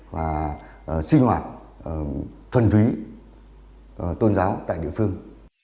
và sinh hoạt thuần thúy tôn giáo tại địa phương